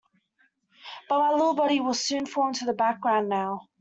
But my little body will soon fall into the background now.